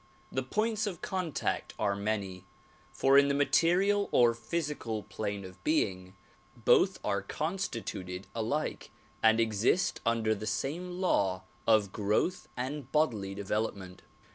The points of contact are many ; for in the material or phj sical plane of being, both are constituted alike and exist under the same law of growth and bodily development.